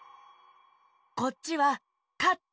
こっちは「かって」